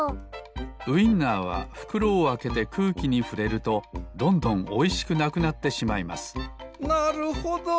ウインナーはふくろをあけてくうきにふれるとどんどんおいしくなくなってしまいますなるほど！